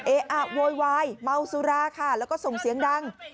เออะโวยวายเมาสุราค่ะแล้วก็ส่งเสียงดัง